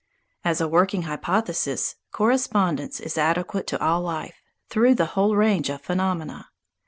As a working hypothesis, correspondence is adequate to all life, through the whole range of phenomena.